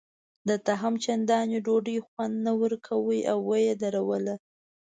ده ته هم چندان ډوډۍ خوند نه ورکاوه او یې ودروله.